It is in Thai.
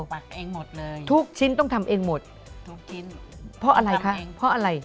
ปักเองหมดเลยทุกชิ้นต้องทำเองหมดทุกชิ้นเพราะอะไรคะเพราะอะไร